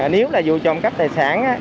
nếu là vụ trộm cắp tài sản